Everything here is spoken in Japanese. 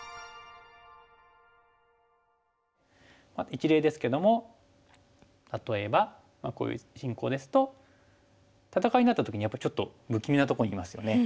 一例ですけども例えばこういう進行ですと戦いになった時にやっぱりちょっと不気味なとこにいますよね。